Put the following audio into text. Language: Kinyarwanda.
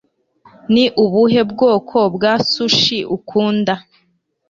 Ni ubuhe bwoko bwa sushi ukunda?